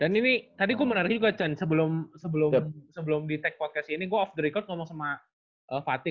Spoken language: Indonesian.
dan ini tadi gue menarik juga chan sebelum di tech podcast ini gue off the record ngomong sama fatih